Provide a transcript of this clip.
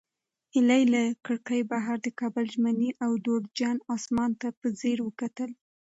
هیلې له کړکۍ بهر د کابل ژمني او دوړجن اسمان ته په ځیر وکتل.